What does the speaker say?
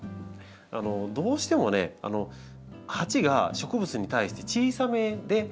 どうしてもね鉢が植物に対して小さめで流通することが多い。